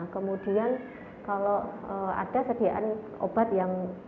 kemudian kalau ada sediaan obat yang